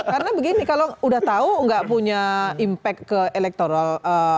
karena begini kalau udah tahu gak punya impact ke electoral